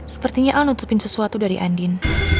sepertinya al nutupin sesuatu dari andin